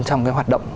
trong cái hoạt động